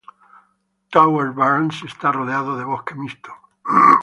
Tower Burns está rodeado de bosque mixto.